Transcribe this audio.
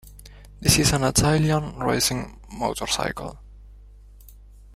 This is an Italian racing motorcycle.